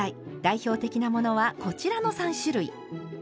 代表的なものはこちらの３種類。